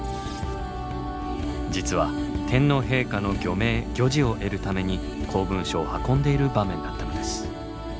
実は天皇陛下の御名・御璽を得るために公文書を運んでいる場面だったのです。